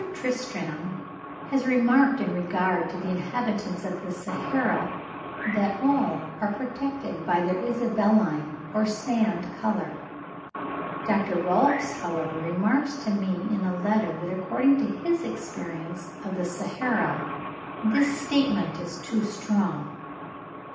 Tristram has remarked in regard to the inhabitants of the Sahara, that all are protected by their "isabelline or sand colour." (50. 'Ibis,' 1859, vol. i. p. 429, et seq. Dr. Rohlfs, however, remarks to me in a letter that according to his experience of the Sahara, this statement is too strong.)